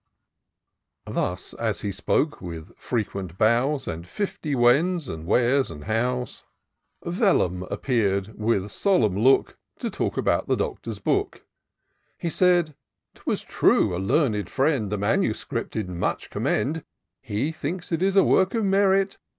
^'" Thus as he spoke, with frequent bows. And fifty whens, and wheres, and hows. 310 TOUR OF DOCTOR SYNTAX VeUmm appeared, with solemn look. To talk about the Doctor's book. He said, '* Twas true, a learned friend The manuscript did mndi commend ; He thinks it is a work of merit.